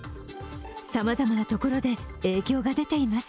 さまざまなところで影響が出ています。